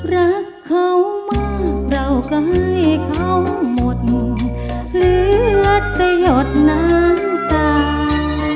รักเขามากเราก็ให้เขาหมดเหลือจะหยดน้ำตา